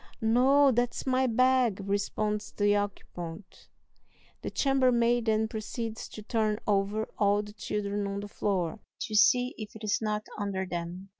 "No, that's my bag," responds the occupant. The chambermaid then proceeds to turn over all the children on the floor, to see if it is not under them.